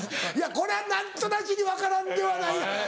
いやこれは何となしに分からんではない。